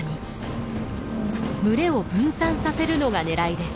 群れを分散させるのがねらいです。